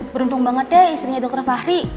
beruntung banget ya istrinya dokter fahri